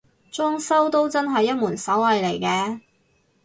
裝修都真係一門手藝嚟嘅